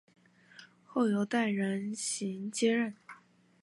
后由戴仁行接任。